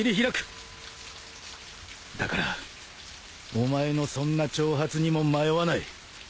だからお前のそんな挑発にも迷わない。